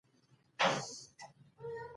سوالګر ته د انسان عاطفه ورکوئ